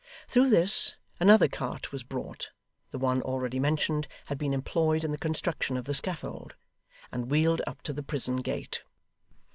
Through this, another cart was brought (the one already mentioned had been employed in the construction of the scaffold), and wheeled up to the prison gate.